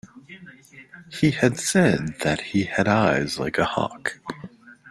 He had said that he had eyes like a hawk.